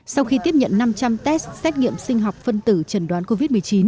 sau khi tiếp nhận năm trăm linh test xét nghiệm sinh học phân tử trần đoán covid một mươi chín